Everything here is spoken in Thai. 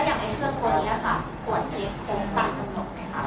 ตัวนี้มีปัญหาไหมครับ